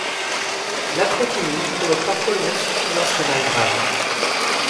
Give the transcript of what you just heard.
L'aprotinine provoque parfois une insuffisance rénale grave.